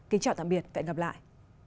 kính chào tạm biệt và hẹn gặp lại